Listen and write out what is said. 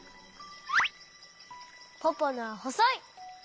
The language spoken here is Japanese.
ポポのはほそい。